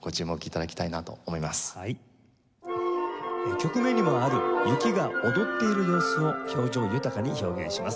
曲名にもある雪が踊っている様子を表情豊かに表現します。